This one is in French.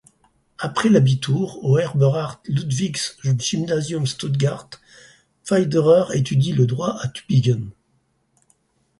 Après l'abitur au Eberhard-Ludwigs-Gymnasium Stuttgart, Pfleiderer étudie le droit à Tübingen.